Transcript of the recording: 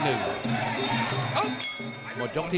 จุ่งสุดหมดยกที่๑